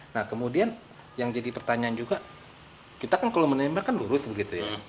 nah kemudian yang jadi pertanyaan juga kita kan kalau menembak kan lurus begitu ya